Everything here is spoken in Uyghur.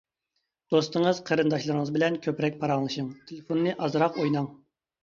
دوستىڭىز، قېرىنداشلىرىڭىز بىلەن كۆپرەك پاراڭلىشىڭ، تېلېفوننى ئازراق ئويناڭ.